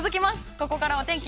ここからはお天気